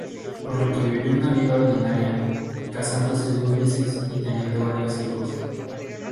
Por lo que vivió una vida ordinaria, casándose dos veces y teniendo varios hijos.